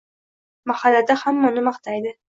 Mahallada hamma uni maqtaydi